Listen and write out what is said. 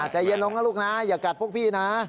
ใจเย็นลงนะลูกนะอย่ากัดพวกพี่นะ